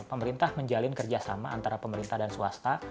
pemerintah menjalin kerjasama antara pemerintah dan swasta